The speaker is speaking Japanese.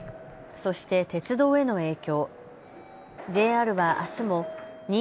そして鉄道への影響。